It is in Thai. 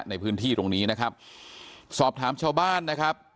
ในพื้นที่ตรงนี้นะครับสอบถามชาวบ้านนะครับ